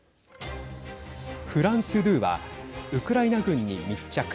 フランス２はウクライナ軍に密着。